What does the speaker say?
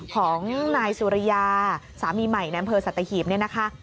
ของนายสุริยาสามีใหม่ในอำเภอสัตหีบเนี่ยนะคะ